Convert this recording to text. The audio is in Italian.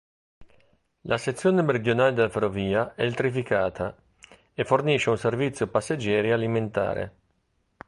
La sezione meridionale della ferrovia è elettrificata e fornisce un servizio passeggeri alimentare.